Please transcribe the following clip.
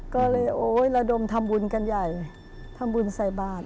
ก็เลยโอ๊ยระดมทำบุญกันใหญ่ทำบุญใส่บาท